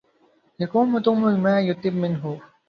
يقوم توم بما يُطلب منه.